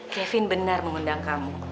kevin benar mengundang kamu